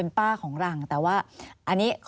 อันดับ๖๓๕จัดใช้วิจิตร